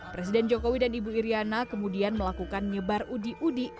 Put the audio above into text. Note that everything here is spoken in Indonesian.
presiden jokowi dan ibu iryana kemudian melakukan nyebar udi udi